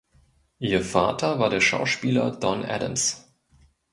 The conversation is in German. Ihr Vater war der Schauspieler Don Adams.